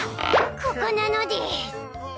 ここなのでぃす。